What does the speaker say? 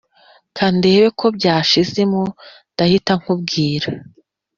Kandebe ko byashizemo ndahita nkubwira